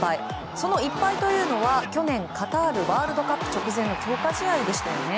その１敗というのが去年カタールワールドカップ直前の強化試合でしたよね。